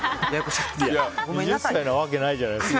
２０歳なわけないじゃないですか。